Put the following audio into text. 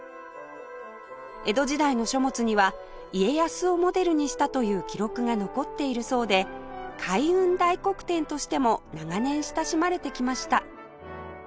江戸時代の書物には家康をモデルにしたという記録が残っているそうで開運大黒天としても長年親しまれてきました